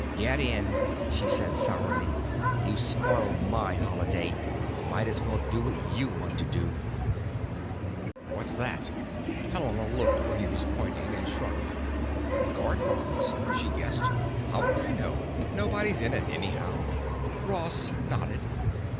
"Get in," she said sourly. "You've spoiled my Holiday. Might as well do what you want to do." "What's that?" Helena looked where he was pointing, and shrugged. "Guard box," she guessed. "How would I know? Nobody's in it, anyhow." Ross nodded.